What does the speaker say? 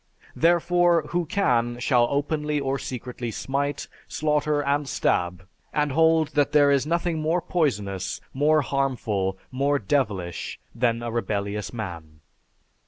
Therefore, who can shall openly or secretly smite, slaughter and stab, and hold that there is nothing more poisonous, more harmful, more devilish than a rebellious man."